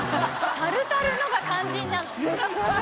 タルタルの方が肝心なの？